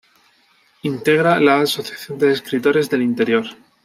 Integra la Asociación de Escritores del Interior.